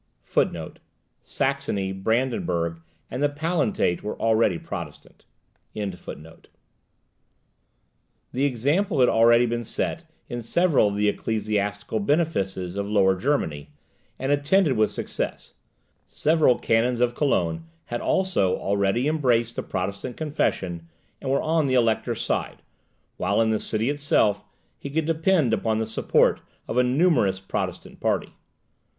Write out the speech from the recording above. [Saxony, Brandenburg, and the Palatinate were already Protestant.] The example had already been set in several of the ecclesiastical benefices of Lower Germany, and attended with success. Several canons of Cologne had also already embraced the Protestant confession, and were on the elector's side, while, in the city itself, he could depend upon the support of a numerous Protestant party.